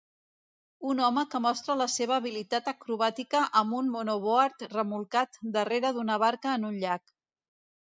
Un home que mostra la seva habilitat acrobàtica amb un monoboard remolcat darrere d'una barca en un llac.